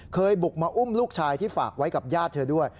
เคยบุกมาอุ้มลูกชายที่ฝากไว้กับญาติเธอด้วย